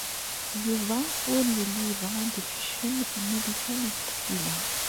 Yuba ur yelli yebɣa ad iḥeccem Milisa n At Ksila.